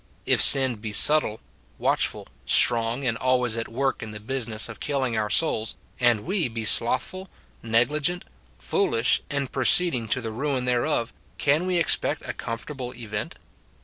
If sin be subtle, watchful, strong, and always at work in the busi ness of killing our souls, and we be slothful, negligent, foolish, in proceeding to the ruin thereof, can we expect a comfortable event